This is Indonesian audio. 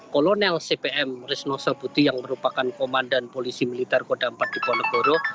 kolonel cpm rizno sabuti yang merupakan komandan polisi militer kodampak di ponegoro